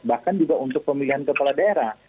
bahkan juga untuk pemilihan kepala daerah